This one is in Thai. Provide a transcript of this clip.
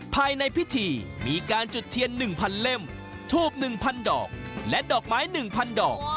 ภายในพิธีมีการจุดเทียนหนึ่งพันเล่มทูบหนึ่งพันดอกและดอกไม้หนึ่งพันดอก